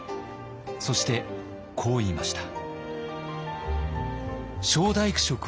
そしてこう言いました。